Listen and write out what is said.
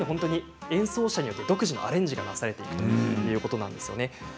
演奏者によって独自のアレンジがなされていくということです。